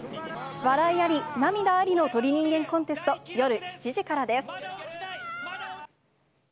笑いあり、涙ありの鳥人間コンテスト、夜７時からです。